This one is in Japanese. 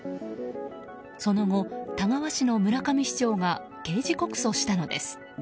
その後、田川市の村上市長が刑事告訴したのです。